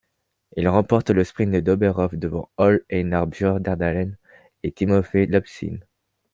Il remporte le sprint d'Oberhof devant Ole Einar Bjoerndalen et Timofey Lapshin.